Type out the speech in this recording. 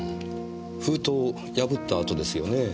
封筒を破ったあとですよねぇ。